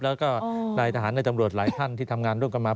แล้วก็นายทหารในตำรวจหลายท่านที่ทำงานร่วมกันมา